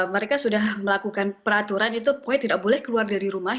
mereka sudah melakukan peraturan itu pokoknya tidak boleh keluar dari rumah